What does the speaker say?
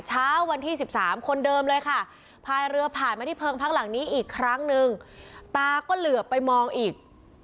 เช้าวันที่๑๓คนเดิมเลยค่ะพายเรือผ่านมาที่เพิงพักหลังนี้อีกครั้งนึงตาก็เหลือไปมองอีก